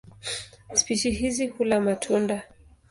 Spishi hizi hula matunda.